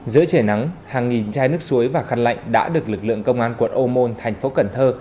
giữa trời nắng hàng nghìn chai nước suối và khăn lạnh đã được lực lượng công an quận ô môn tp cn